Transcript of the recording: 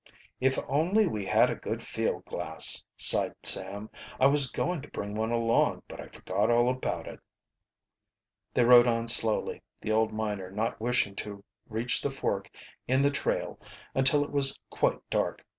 "If only we had a good field glass," sighed Sam. "I was going to bring one along, but I forgot all about it." They rode on slowly, the old miner not wishing to reach the fork in the trail until it was quite dark.